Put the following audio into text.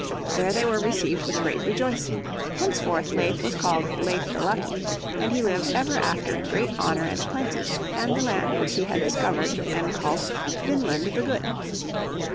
There they were received with great rejoicing. Henceforth Leif was called Leif the Lucky, and he lived ever after in great honour and plenty, and the land which he had discovered men called Vineland the Good.